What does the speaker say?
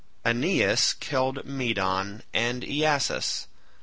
Aeneas killed Medon and Iasus.